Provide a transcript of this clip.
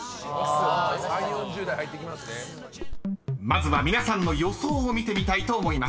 ［まずは皆さんの予想を見てみたいと思います］